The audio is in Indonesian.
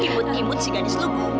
ibu ibu cikgani selukuh